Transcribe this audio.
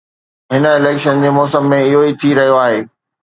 هن اليڪشن جي موسم ۾ اهو ئي ٿي رهيو آهي.